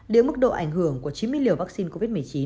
nếu mức độ ảnh hưởng của chín mươi liều vaccine covid một mươi chín